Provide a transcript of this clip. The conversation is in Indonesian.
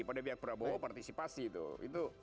pada pihak prabowo partisipasi tuh itu